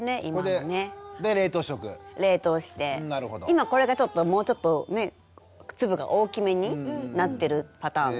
今これがちょっともうちょっとね粒が大きめになってるパターンですね。